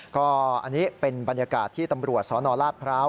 ก็อันนี้เป็นบรรยากาศที่ตำรวจสนราชพร้าว